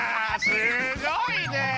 すごいね！